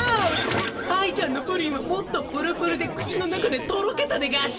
愛ちゃんのプリンはもっとぷるぷるで口の中でとろけたでガシ。